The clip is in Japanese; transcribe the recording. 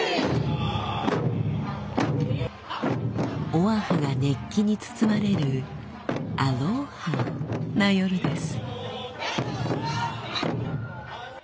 オアフが熱気に包まれるアロハな夜です。